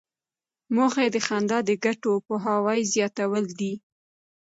موخه یې د خندا د ګټو پوهاوی زیاتول دي.